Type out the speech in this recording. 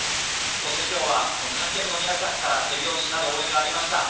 今日は観客の皆さんから手拍子など応援がありました。